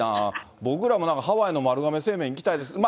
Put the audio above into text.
僕らもなんかハワイの丸亀製麺行きたいです。